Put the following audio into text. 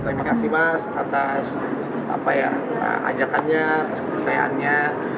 terima kasih mas atas apa ya ajakannya kesepakayaannya